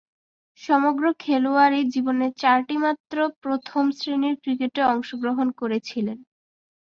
সমগ্র খেলোয়াড়ী জীবনে চারটিমাত্র প্রথম-শ্রেণীর ক্রিকেটে অংশগ্রহণ করেছিলেন।